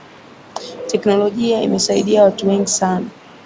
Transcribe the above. Teknolojia imesaidia watu wengi sana